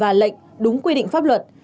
và lệnh đúng quy định pháp luật